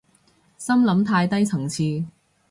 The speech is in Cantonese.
心諗太低層次